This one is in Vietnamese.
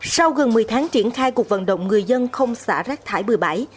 sau gần một mươi tháng triển khai cuộc vận động người dân không xả rác thải bừa bãi